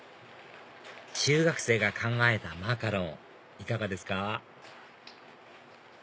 中学生が考えたマカロンいかがですか？